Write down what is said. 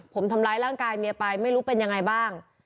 ผมทำร้ายร่างกายเมียไปไม่รู้เป็นยังไงบ้าง